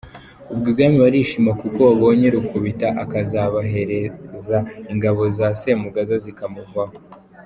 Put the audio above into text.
Ubwo ibwami barishima kuko babonye Rukubita akazabarehereza ingabo za Semugaza zikamuvaho.